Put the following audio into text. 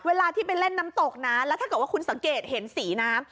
เวลาที่ไปเล่นน้ำตกนะแล้วถ้าเกิดว่าคุณสังเกตเห็นสีน้ำ